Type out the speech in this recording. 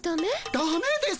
ダメです。